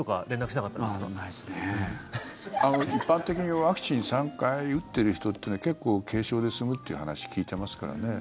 一般的にワクチン３回打ってる人っていうのは結構、軽症で済むって話聞いてますからね。